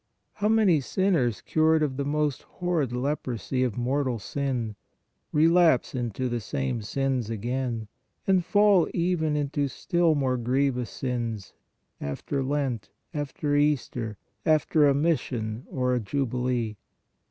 How many sinners cured of the most horrid leprosy of mortal sin, relapse into the same sins again and fall even into still more grievous sins after Lent, after Easter, after a mis sion or a jubilee